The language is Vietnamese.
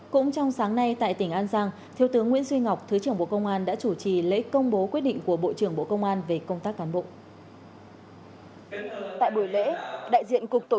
cũng trong sáng nay tại tỉnh an giang thiếu tướng nguyễn duy ngọc thứ trưởng bộ công an đã chủ trì lễ công bố quyết định của bộ trưởng bộ công an về công tác cán bộ